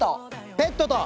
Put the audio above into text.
ペットと。